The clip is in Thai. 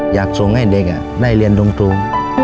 อยากส่งให้เด็กอ่ะได้เรียนรวมทรวม